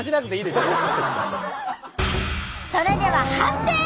それでは判定！